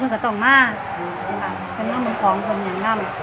แล้วก็ต้องมาเป็นของคนอย่างนั้น